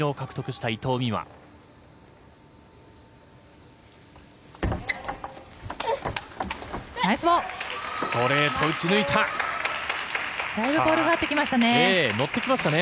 だいぶボールが上がってきましたね。